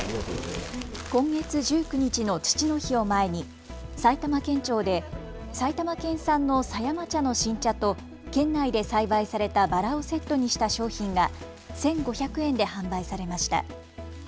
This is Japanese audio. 今月１９日の父の日を前に埼玉県庁で埼玉県産の狭山茶の新茶と県内で栽培されたバラをセットにした商品が１５００円で販売されました。